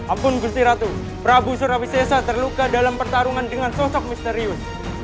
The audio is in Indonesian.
ampun gusti ratu prabu surabisesa terluka dalam pertarungan dengan sosok misterius